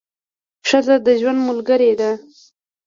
ښځه د ژوند ملګرې ده.